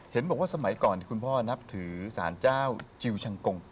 เห็นบอกว่าสมัยก่อนคุณพ่อนับถือสารเจ้าจิลชังกง